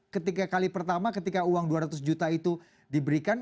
ketika kali pertama ketika uang dua ratus juta itu diberikan